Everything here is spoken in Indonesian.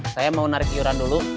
saya mau narik iuran dulu